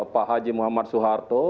pak haji muhammad soeharto